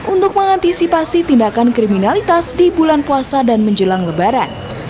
untuk mengantisipasi tindakan kriminalitas di bulan puasa dan menjelang lebaran